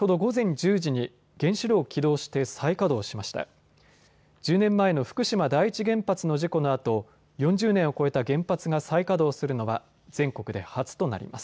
１０年前の福島第一原発の事故のあと、４０年を超えた原発が再稼働するのは全国で初となります。